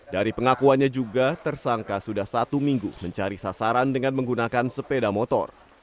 dari pengakuannya juga tersangka sudah satu minggu mencari sasaran dengan menggunakan sepeda motor